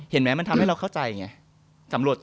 เห็นไหมมันทำให้เราเข้าใจไง